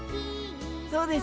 そうです。